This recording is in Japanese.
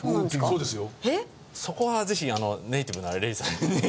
そこはぜひネイティブなＲｅｉさんに。